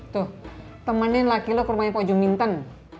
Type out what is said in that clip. tuh temanin laki lo ke rumahnya bu jumintan